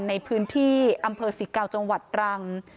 ในพื้นที่อำเภอสิเกาจังหวัดรัง